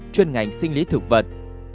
chuyên ngành sinh lý thực vật